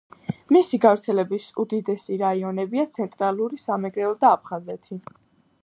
მისი გავრცელების უდიდესი რაიონებია ცენტრალური სამეგრელო და აფხაზეთი.